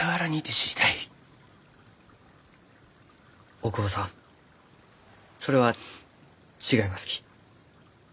大窪さんそれは違いますき。